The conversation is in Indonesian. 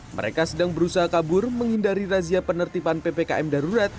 mereka sedang berusaha kabur menghindari razia penertiban ppkm darurat